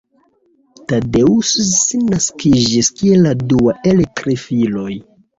Tadeusz naskiĝis kiel la dua el tri filoj.